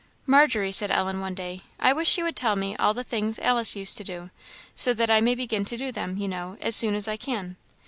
"Margery," said Ellen, one day, "I wish you would tell me all the things Alice used to do; so that I may begin to do them, you know, as soon as I can."